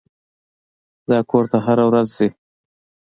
دا کور ته هره ورځ ځي.